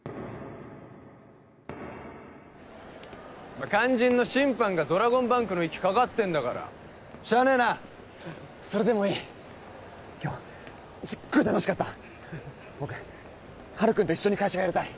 まっ肝心の審判がドラゴンバンクの息かかってんだからしゃあねえなそれでもいい今日すっごい楽しかった僕ハル君と一緒に会社やりたい